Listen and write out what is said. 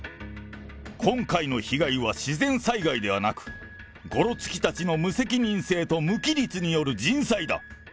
今回の被害は自然災害ではなく、ごろつきたちの無責任性と無規律による人災だ。